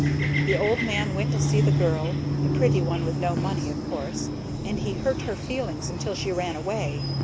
"The old man went to see the girl the pretty one with no money, of course and he hurt her feelings until she ran away.